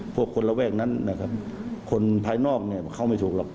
คนระแวกนั้นนะครับคนภายนอกเนี่ยเข้าไม่ถูกหรอก